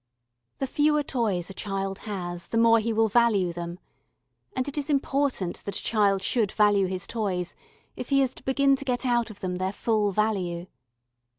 The fewer toys a child has the more he will value them; and it is important that a child should value his toys if he is to begin to get out of them their full value.